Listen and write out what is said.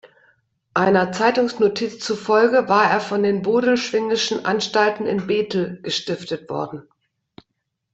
Einer Zeitungsnotiz zufolge war er von den von Bodelschwinghschen Anstalten in Bethel gestiftet worden.